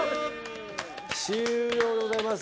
終了でございます。